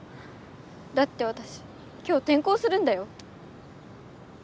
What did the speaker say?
だってわたし今日転校するんだよ？